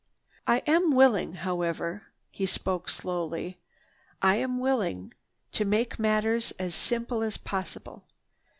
"I am willing, however—" he spoke slowly. "I am willing to make matters as simple as possible.